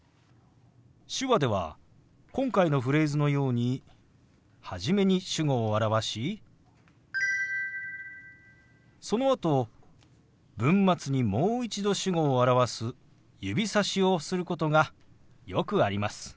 手話では今回のフレーズのように初めに主語を表しそのあと文末にもう一度主語を表す指さしをすることがよくあります。